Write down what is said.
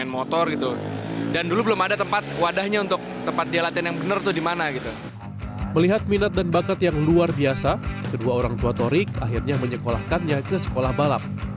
melihat minat dan bakat yang luar biasa kedua orang tua torik akhirnya menyekolahkannya ke sekolah balap